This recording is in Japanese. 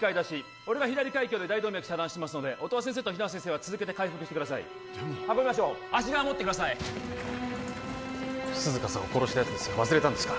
俺が左開胸で大動脈遮断しますので音羽先生と比奈先生は続けて開腹してくださいでも運びましょう足側持ってください涼香さんを殺したやつですよ忘れたんですか？